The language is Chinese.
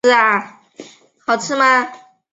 毛翼管鼻蝠属等之数种哺乳动物。